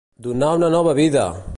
Donar una nova vida!